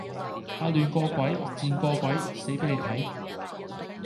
啊亂個鬼，賤個鬼，死俾你睇